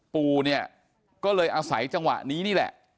ปู่เนี่ยก็เลยอาศัยจังหวะนี้นี่แหละ